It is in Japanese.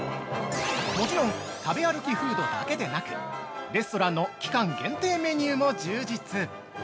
◆もちろん食べ歩きフードだけでなくレストランの期間限定メニューも充実！